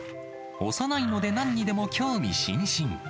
幼いのでなんにでも興味津々。